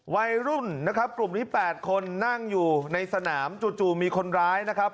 วัยรุ่นนะครับกลุ่มนี้๘คนนั่งอยู่ในสนามจู่มีคนร้ายนะครับ